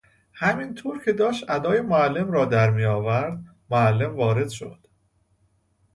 همین طور که داشت ادای معلم را در میآورد معلم وارد شد!